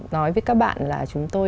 nói với các bạn là chúng tôi